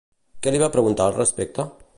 Què li va preguntar al respecte?